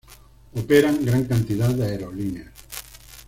Operan gran cantidad de aerolíneas.